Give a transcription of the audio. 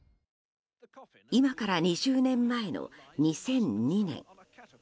今から２０年前の２００２年。